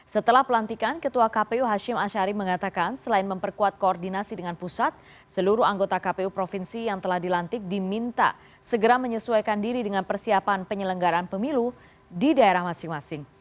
setelah pelantikan ketua kpu hashim ashari mengatakan selain memperkuat koordinasi dengan pusat seluruh anggota kpu provinsi yang telah dilantik diminta segera menyesuaikan diri dengan persiapan penyelenggaran pemilu di daerah masing masing